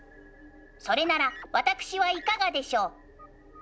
それなら私はいかがでしょう？